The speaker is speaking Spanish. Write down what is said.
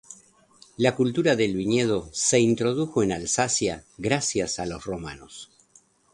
La cultura del viñedo se introdujo en Alsacia gracias a los romanos.